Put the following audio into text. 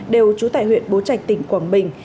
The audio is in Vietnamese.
đều trú tại huyện bố trạch tỉnh quảng bình